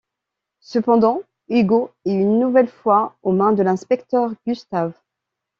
Cependant, Hugo est une nouvelle fois aux mains de l'inspecteur Gustave.